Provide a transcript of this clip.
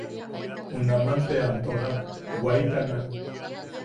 Junaman te am tojak waitana.